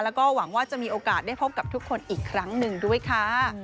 แล้วก็หวังว่าจะมีโอกาสได้พบกับทุกคนอีกครั้งหนึ่งด้วยค่ะ